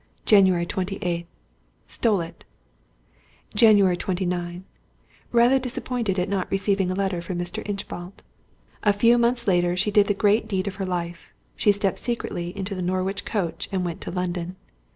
Jan. 28. Stole it. Jan. 29. Rather disappointed at not receiving a letter from Mr. Inchbald. A few months later she did the great deed of her life: she stepped secretly into the Norwich coach, and went to London.